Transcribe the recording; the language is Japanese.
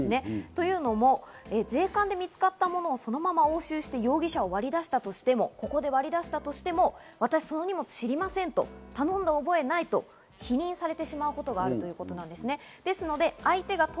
というのも、税関で見つかったものを、そのまま押収して、容疑者を割り出したとしても、ここで割り出したとしても、私、知りません、頼んだ覚えないと否認されてしまうことがあるということです。